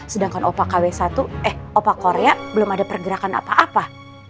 sedangkan opa kw satu eh opa korea belum ada pergerakan apa apa